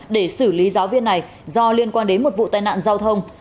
để xử lý giáo viên này do liên quan đến một vụ tai nạn giao thông